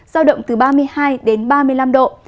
giao động từ ba mươi hai đến ba mươi năm độ